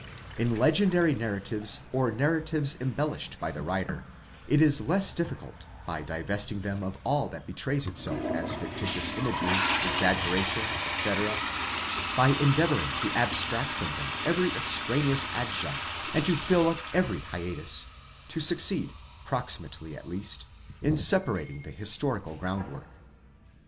In legendary narratives, or narratives embellished by the writer, it is less difficult,—by divesting them of all that betrays itself as fictitious imagery, exaggeration, etc.—by endeavouring to abstract from them every extraneous adjunct and to fill up every hiatus—to succeed, proximately at least, in separat ing the historical groundwork.